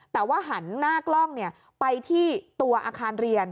แต่ว่าหันหน้ากล้องไปที่ตัวอาคารเรียน